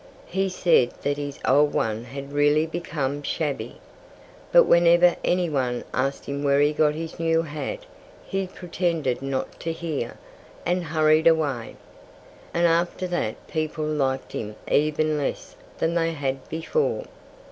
He said that his old one had really become shabby. But whenever any one asked him where he got his new hat he pretended not to hear, and hurried away. And after that people liked him even less than they had before.